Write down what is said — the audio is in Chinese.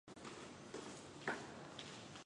首府克雷莫纳。